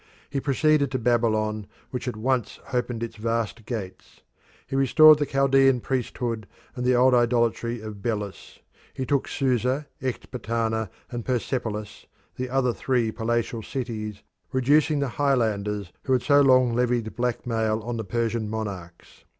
He proceeded to Babylon, which at once opened its vast gates. He restored the Chaldean priesthood and the old idolatry of Belus. He took Susa, Ecbatana, and Persepolis, the other three palatial cities, reducing the highlanders who had so long levied blackmail on the Persian monarchs.